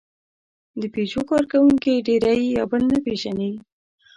د پيژو کارکوونکي ډېری یې یو بل نه پېژني.